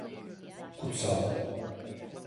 Kutsal.